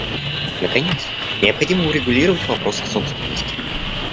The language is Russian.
Наконец, необходимо урегулировать вопрос о собственности.